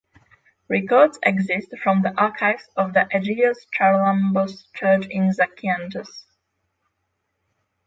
Records exist from the archives of the Agios Charalambos church in Zakynthos.